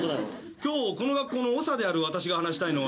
今日この学校の長である私が話したいのは。